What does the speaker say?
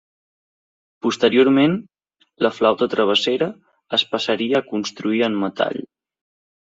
Posteriorment, la flauta travessera es passaria a construir en metall.